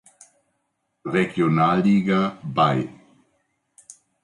Regionalliga bei.